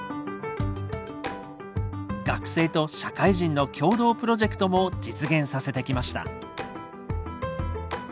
学生と社会人の共同プロジェクトも実現させてきました。